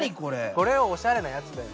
これはおしゃれなやつだよ。